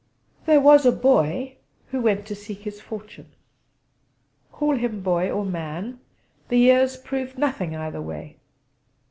There was a Boy who went to seek his fortune. Call him boy or man: the years proved nothing either way!